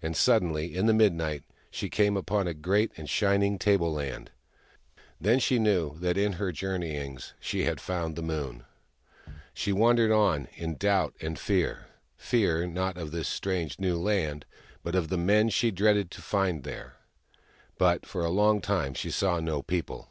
And, suddenly, in the midnight, she came out upon a great and shining tableland : then she knew that in her journeyings she had found the Moon ! She wandered on, in doubt and fear — fear, not of this strange new land, but of the men she dreaded to find there. But for a long time she saw no people.